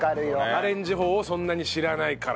アレンジ法をそんなに知らないから。